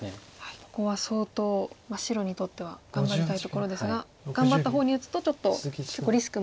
ここは相当白にとっては頑張りたいところですが頑張った方に打つとちょっと結構リスクもあると。